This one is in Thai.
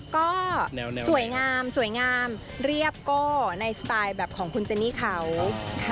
ก็สวยงามสวยงามเรียบโก้ในสไตล์แบบของคุณเจนี่เขาค่ะ